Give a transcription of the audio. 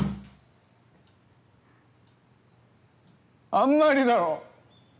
あんまりだろ。